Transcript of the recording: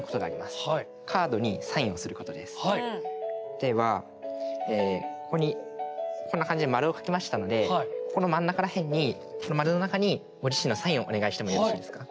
ではここにこんな感じで丸を書きましたのでこの真ん中ら辺にこの丸の中にご自身のサインをお願いしてもよろしいですか。